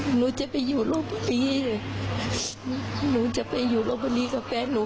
หนูจะไปอยู่โรงพยาบาลีหนูจะไปอยู่โรงพยาบาลีกับแฟนหนู